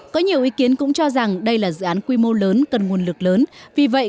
có nhiều ý kiến cũng cho rằng đây là dự án quy mô lớn cần nguồn lực lớn vì vậy